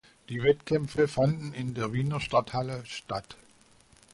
Die Wettkämpfe fanden in der Wiener Stadthalle statt.